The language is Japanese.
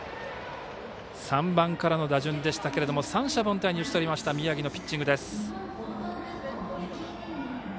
３番からの打順でしたけれども三者凡退に打ち取った宮城のピッチングです。